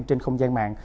trên không gian mạng